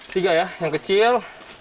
tiga ya yang kecil